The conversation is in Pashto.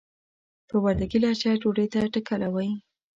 په وردګي لهجه ډوډۍ ته ټکله وايي.